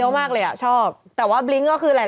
รวมกันแล้วคงจะราย